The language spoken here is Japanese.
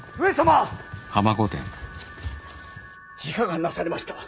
いかがなされました？